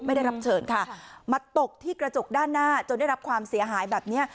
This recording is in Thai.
ไม่ได้รับเชิญค่ะมาตกที่กระจกด้านหน้าจนได้รับความเสียหายแบบเนี้ย